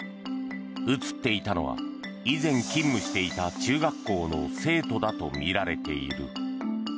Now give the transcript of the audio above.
写っていたのは以前、勤務していた中学校の生徒だとみられている。